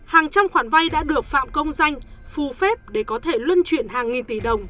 hàng trăm khoản vay đã được phạm công danh phù phép để có thể luân chuyển hàng nghìn tỷ đồng